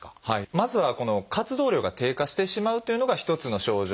まずはこの活動量が低下してしまうというのが１つの症状。